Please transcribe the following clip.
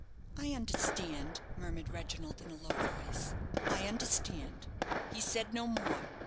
"I understand," murmured Reginald, in a low voice; "I understand." He said no more.